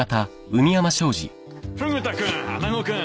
フグ田君穴子君。